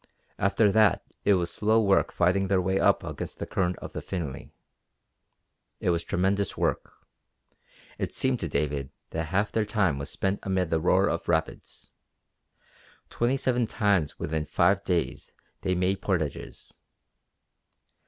After that it was slow work fighting their way up against the current of the Finly. It was tremendous work. It seemed to David that half their time was spent amid the roar of rapids. Twenty seven times within five days they made portages.